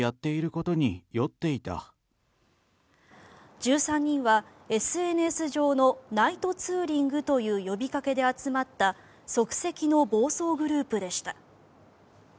１３人は、ＳＮＳ上のナイトツーリングという呼びかけで集まった即席の暴走グループでした。